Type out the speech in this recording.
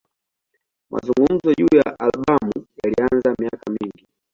Mazungumzo juu ya albamu yalianza miaka mingi.